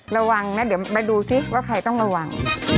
ระวังนะเดี๋ยวมาดูซิว่าใครต้องระวัง